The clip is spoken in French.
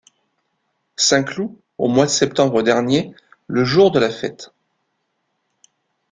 Saint-Cloud, au mois de septembre dernier, le jour de la fête.